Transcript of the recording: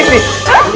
pak de sini